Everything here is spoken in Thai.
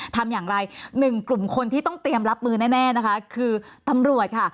ทำอย่างไรหนึ่งกลุ่มคนที่ต้องเตรียมรับมือแน่นะคะคือตำรวจค่ะ